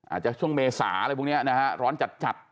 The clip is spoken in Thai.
อาจจะช่วงเมษาอะไรพวกนี้นะฮะร้อนจัด